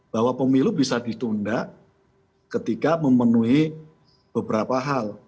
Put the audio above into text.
bahwa pemilu bisa ditunda ketika memenuhi beberapa hal